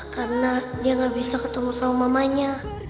karena dia gak bisa ketemu sama mamanya